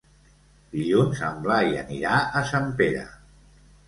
Dilluns en Blai anirà a Sempere.